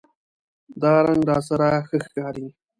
دا رنګ راسره ښه ښکاری